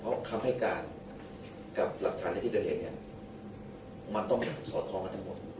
เพราะคำให้การกับหลักฐานในที่เกิดเหตุเนี่ยมันต้องสอดคล้องกันทั้งหมด